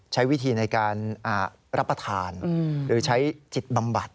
ใช้วิธีในการรับประทานหรือใช้จิตบำบัด